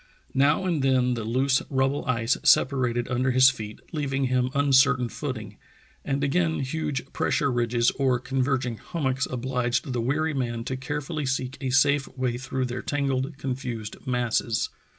Now and then the loose rubble ice separated under his feet, leaving him uncertain footing, and again huge pressure ridges or converging hummocks obliged the weary man to carefully seek a safe way through their tangled, confused masses.